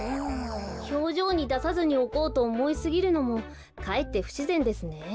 ひょうじょうにださずにおこうとおもいすぎるのもかえってふしぜんですね。